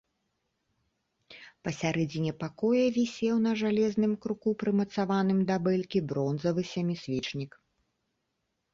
Пасярэдзіне пакоя вісеў на жалезным круку, прымацаваным да бэлькі, бронзавы сямісвечнік.